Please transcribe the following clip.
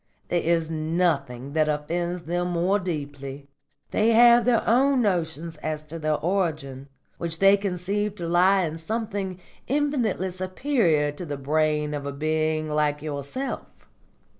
There is nothing that offends them more deeply. They have their own notions as to their origin, which they conceive to lie in something infinitely superior to the brain of a being like yourself.